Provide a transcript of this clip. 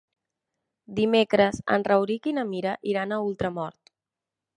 Dimecres en Rauric i na Mira iran a Ultramort.